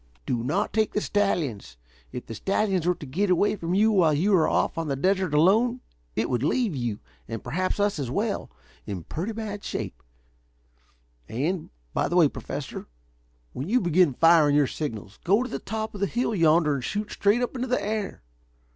Do not take the stallions," advised Parry. "If the stallions were to get away from you while you are off on the desert alone it would leave you, and perhaps us as well, in pretty bad shape. And, by the way, Professor, when you begin firing your signals, go to the top of the hill yonder and shoot straight up into the air.